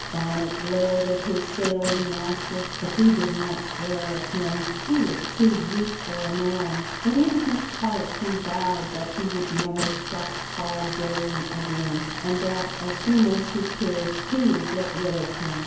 Bonnet glared at his sailing master, but he did not swear at him, he was too useful a man, but in his heart he vowed that he would never trust Paul Bittern again, and that as soon as he could he would get rid of him.